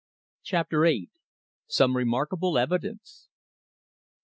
CHAPTER EIGHT. SOME REMARKABLE EVIDENCE.